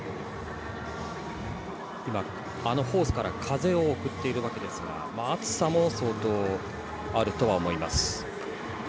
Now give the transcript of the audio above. ホースから風を送っているわけですが暑さも相当、あるとは思います。